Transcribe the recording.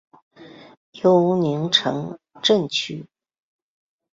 尤宁城镇区。